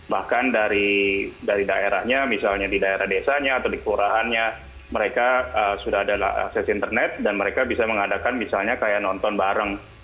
bahkan dari daerahnya misalnya di daerah desanya atau di kelurahannya mereka sudah ada akses internet dan mereka bisa mengadakan misalnya kayak nonton bareng